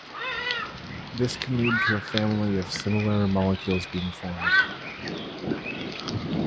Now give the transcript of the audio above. This can lead to a family of similar molecules being formed.